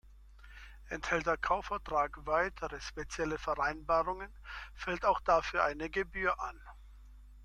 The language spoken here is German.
Enthält der Kaufvertrag weitere spezielle Vereinbarungen, fällt auch dafür eine Gebühr an.